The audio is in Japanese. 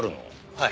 はい。